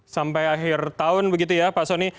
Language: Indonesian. sampai akhir tahun begitu ya pak soni